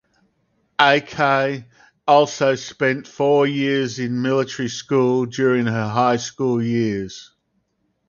Aki also spent four years in military school during her high school years.